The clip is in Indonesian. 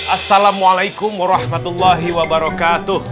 assalamualaikum warahmatullahi wabarakatuh